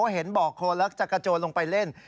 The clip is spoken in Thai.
เห็นบอกโคนแล้วจะกระโจนลงไปเล่น